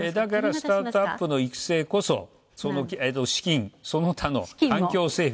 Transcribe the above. スタートアップの育成こそ資金、その他の環境整備